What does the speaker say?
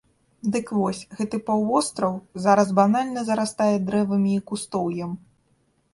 Дык вось, гэты паўвостраў зараз банальна зарастае дрэвамі і кустоўем!